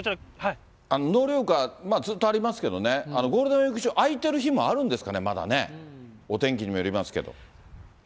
納涼床、ずっとありますけどね、ゴールデンウィーク中、空いてる日もあるんですかね、まだね、お天気にもよりますけど。